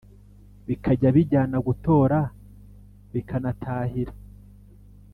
bikajya bijyana gutora bikanatahira